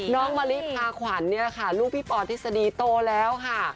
น้องมะลิผาขวานเนี่ยลูกห้ยพี่ปอดทึสดีโตแล้วค่ะ